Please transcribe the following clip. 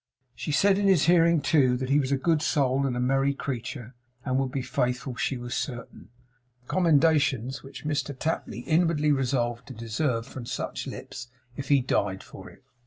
She said in his hearing, too, that he was a good soul and a merry creature, and would be faithful, she was certain; commendations which Mr Tapley inwardly resolved to deserve, from such lips, if he died for it.